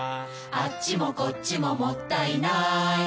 「あっちもこっちももったいない」